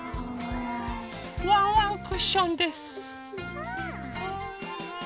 ワンワンクッションです。